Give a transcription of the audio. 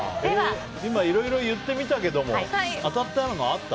今、いろいろ言ってみたけど当たったのあった？